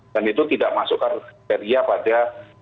dan itu tidak masukkan area pada